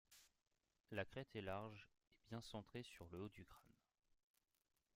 La crête est large et bien centrée sur le haut du crâne.